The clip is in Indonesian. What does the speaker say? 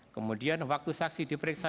kemudian waktu saksi diperiksa